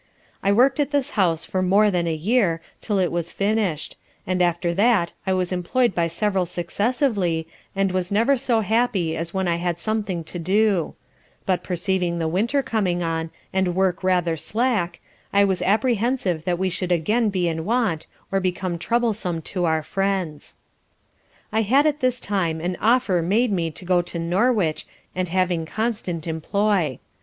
I worked at this house for more than a year, till it was finished; and after that I was employed by several successively, and was never so happy as when I had something to do; but perceiving the winter coming on, and work rather slack, I was apprehensive that we should again be in want or become troublesome to our friends. I had at this time an offer made me of going to Norwich and having constant employ.